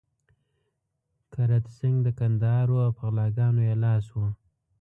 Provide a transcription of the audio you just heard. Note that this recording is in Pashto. کرت سېنګ د کندهار وو او په غلاګانو يې لاس و.